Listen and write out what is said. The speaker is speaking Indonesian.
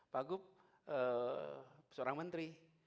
bagup seorang menteri